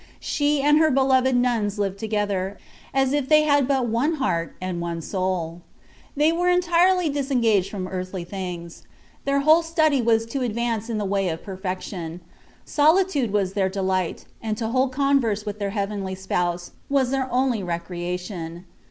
She and her beloved nuns lived together, as if they had but one heart and one soul. They were entirely disengaged from earthly things. Their whole study was to ad vance in the Way of Perfection. Solitude was their delight j and to hold converse with their heavenly Spouse, was their only recreation.